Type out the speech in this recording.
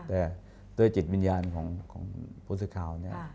แต่ด้วยจิตวิญญาณของผู้สื่อข่าวเนี่ย